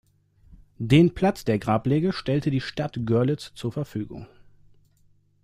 Den Platz der Grablege stellte die Stadt Görlitz zur Verfügung.